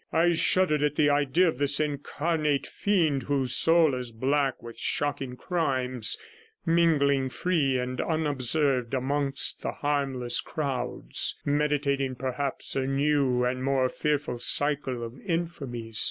I shuddered at the idea of this incarnate fiend, whose soul is black with shocking crimes, mingling free and unobserved amongst the harmless crowds, meditating perhaps a new and more fearful cycle of infamies.